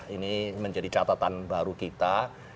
ini menjadi catatan baru kita